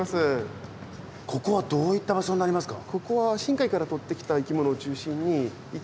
ここはどういった場所になりますか？